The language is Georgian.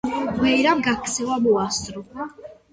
ვიეირამ გაქცევა მოასწრო.